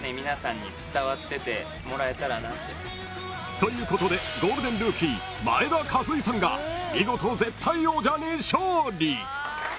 ［ということでゴールデンルーキー前田和威さんが見事絶対王者に勝利！］